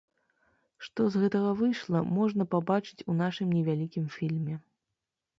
Што з гэтага выйшла, можна пабачыць у нашым невялікім фільме.